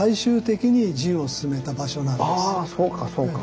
そうかそうか。